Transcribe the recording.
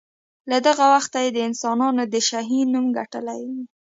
له دغه وخته یې د انسانانو د شهین نوم ګټلی وي.